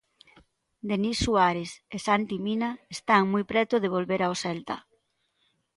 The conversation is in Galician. Denis Suárez e Santi Mina están moi preto de volver ao Celta.